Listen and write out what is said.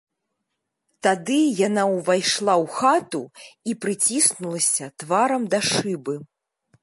Тады яна ўвайшла ў хату і прыціснулася тварам да шыбы.